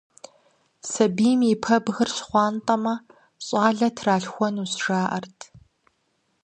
Сабийм и пэбгыр щхъуантӀэмэ, щӀалэ тралъхуэнущ, жаӀэрт.